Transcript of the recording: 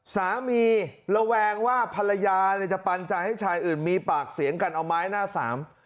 ระแวงว่าภรรยาเนี่ยจะปันใจให้ชายอื่นมีปากเสียงกันเอาไม้หน้าสาม